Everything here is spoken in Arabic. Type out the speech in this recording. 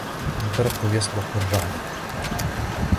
البرقُ يسبقُ الرعدَ